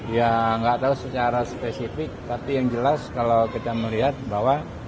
ya nggak tahu secara spesifik tapi yang jelas kalau kita melihat bahwa